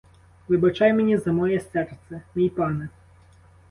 Вибачай мені за моє серце, мій пане!